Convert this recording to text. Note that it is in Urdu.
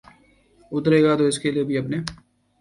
اترے گا تو اس کے لیے بھی اپنے